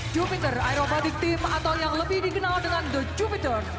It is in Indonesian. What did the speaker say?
jupiter aerobatic team atau yang lebih dikenal dengan the jupiter